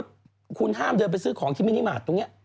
จะเดินไปซื้อของที่ไม่ได้หมาดตรงเนี่ย